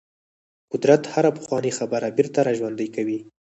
قدرت هره پخوانۍ خبره بیرته راژوندۍ کوي.